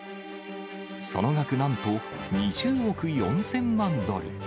その額、なんと２０億４０００万ドル。